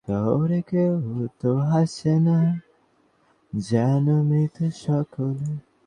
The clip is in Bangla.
তিনি ফোর্ট উইলিয়াম কলেজের সাহিত্য বিভাগের অধ্যাপক ছিলেন।